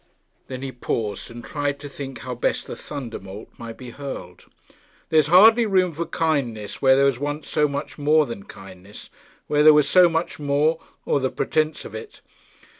Then he paused and tried to think how best the thunderbolt might be hurled. 'There is hardly room for kindness where there was once so much more than kindness; where there was so much more, or the pretence of it.'